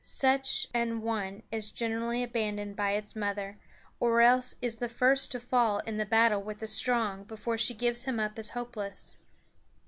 Such an one is generally abandoned by its mother, or else is the first to fall in the battle with the strong before she gives him up as hopeless.